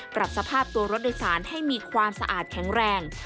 ปรับสภาพตัวรถโดยสารให้มีความสะอาดแข็งแรง